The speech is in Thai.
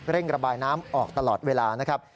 ระบายน้ำออกตลอดเวลานะครับ